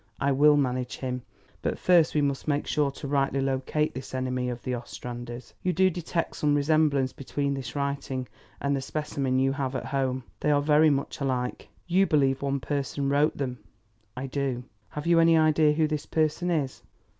"I will manage him. But first we must make sure to rightly locate this enemy of the Ostranders. You do detect some resemblance between this writing and the specimen you have at home?" "They are very much alike." "You believe one person wrote them?" "I do." "Have you any idea who this person is?"